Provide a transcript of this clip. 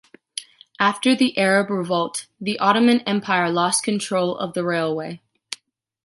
After the Arab Revolt, the Ottoman Empire lost control of the railway.